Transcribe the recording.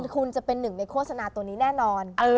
คุณจะเป็นหนึ่งในโฆษณาตัวนี้แน่นอน